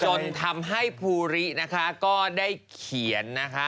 จนทำให้ภูรินะคะก็ได้เขียนนะคะ